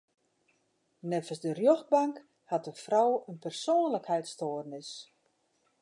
Neffens de rjochtbank hat de frou in persoanlikheidsstoarnis.